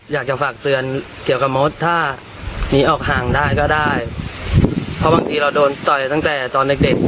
อยากจะฝากเตือนเกี่ยวกับมดถ้าหนีออกห่างได้ก็ได้เพราะบางทีเราโดนต่อยตั้งแต่ตอนเด็กเด็ก